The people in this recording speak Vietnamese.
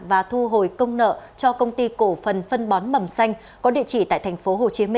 và thu hồi công nợ cho công ty cổ phần phân bón mầm xanh có địa chỉ tại tp hcm